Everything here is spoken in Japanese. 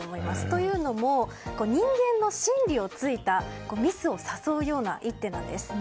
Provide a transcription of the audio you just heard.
というのも、人間の心理を突いたミスを誘うような一手なんです。